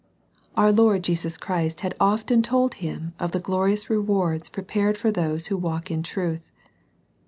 Our Lord Jesus Christ had often told him of the glorious rewards prepared for those who walk in truth.